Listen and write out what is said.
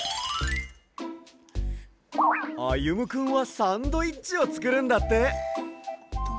あゆむくんはサンドイッチをつくるんだって。